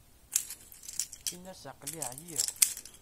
In'as aql-i ɛyiɣ.